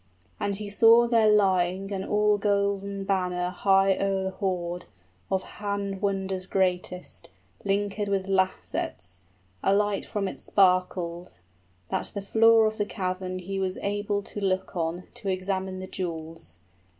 And he saw there lying an all golden banner High o'er the hoard, of hand wonders greatest, Linkèd with lacets: a light from it sparkled, That the floor of the cavern he was able to look on, {The dragon is not there.} 20 To examine the jewels.